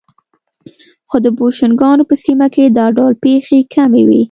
خو د بوشنګانو په سیمه کې دا ډول پېښې کمې وې.